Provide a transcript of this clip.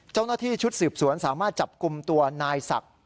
เจ้าหน้าที่ชุดสืบสวนสามารถจับกลุ่มตัวนายศักดิ์